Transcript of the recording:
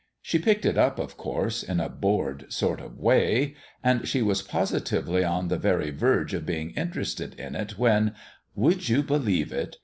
She picked it up, of course, in a bored sort of way ; and she was positively on the very verge of being interested in it when would you believe A GIFT NEGLECTED 95 it